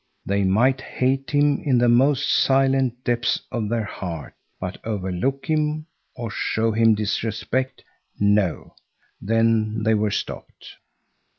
They might hate him in the most silent depths of their heart, but overlook him or show him disrespect, no, then they were stopped.